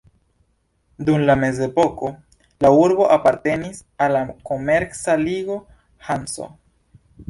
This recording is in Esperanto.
Dum la mezepoko, la urbo apartenis al la komerca ligo Hanso.